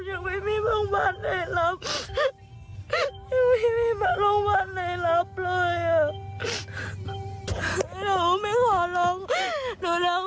ดูแล้วก็ไม่ขอร้องเขา